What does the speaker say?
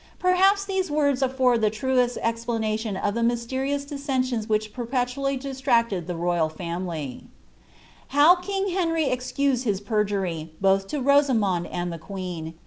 ' Perhaps these words aflbrd the iraait esplanntion of the niyslcnous dissensions which perpeluully dis loctoil the roiTil family. Itow king Hcjiry excused his peijury, both to Rosamond and the qaren.